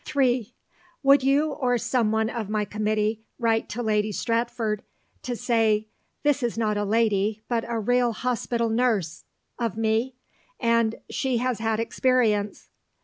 (3) Would you or some one of my Committee write to Lady Stratford to say, "This is not a lady but a real Hospital Nurse," of me? "And she has had experience."